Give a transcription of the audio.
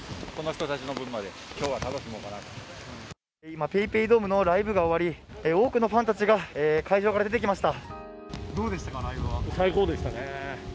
今、ＰａｙＰａｙドームのライブが終わり多くのファンたちが会場から出てきました。